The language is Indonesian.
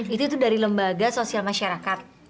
itu itu dari lembaga sosial masyarakat